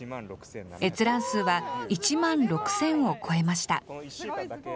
閲覧数は１万６０００を超えました。